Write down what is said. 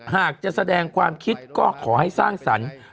หากจะแสดงความคิดก็ขอให้สร้างสรรค์